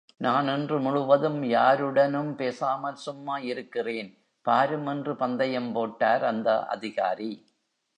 நான் இன்று முழுவதும் யாருடனும் பேசாமல் சும்மா இருக்கிறேன், பாரும் என்று பந்தயம் போட்டார் அந்த அதிகாரி.